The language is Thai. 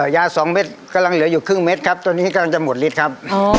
ยา๒เม็ดกำลังเหลืออยู่ครึ่งเม็ดครับตัวนี้กำลังจะหมดฤทธิ์ครับ